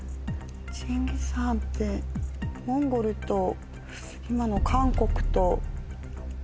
チンギスハーンってモンゴルと今の韓国と。